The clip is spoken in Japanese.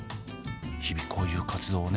日々こういう活動をね